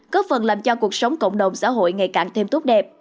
có phần làm cho cuộc sống cộng đồng xã hội ngày càng thêm tốt đẹp